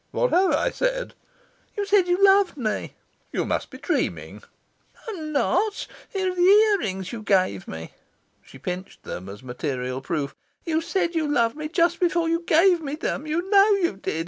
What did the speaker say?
"What have I said?" "You said you loved me." "You must be dreaming." "I'm not. Here are the ear rings you gave me." She pinched them as material proof. "You said you loved me just before you gave me them. You know you did.